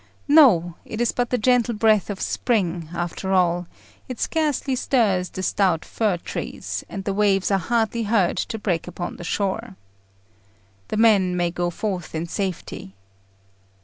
No; it is but the gentle breath of spring, after all; it scarcely stirs the stout fir trees, and the waves are hardly heard to break upon the shore. The men may go forth in safety.